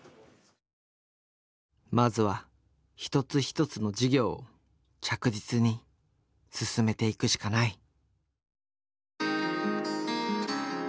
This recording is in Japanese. まずは一つ一つの事業を着実に進めていくしかない。